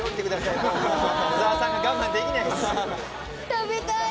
食べたい！